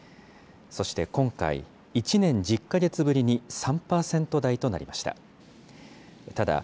そして今回、１年１０か月ぶりに３％台となりました。